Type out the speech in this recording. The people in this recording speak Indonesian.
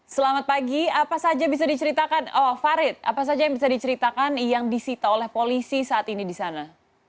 selamat pagi apa saja bisa diceritakan oh farid apa saja yang bisa diceritakan yang disita oleh polisi saat ini di sana